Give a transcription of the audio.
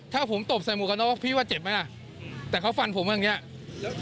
ถ้าผมตบใส่หมูกันต้องพิวว่าเจ็บไหมล่ะอืมแต่เขาฟันผมแบบนี้แล้ว